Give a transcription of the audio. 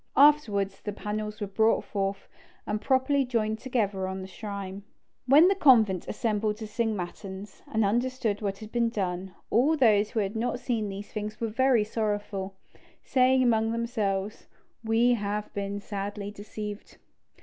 Afterwards the panels were brought forth, and properly joined together on the shrine. When the convent assembled to sing matins, and understood what had been done, all who had not seen these things were very sorrowful, saying among themselves, "We have been sadly deceived."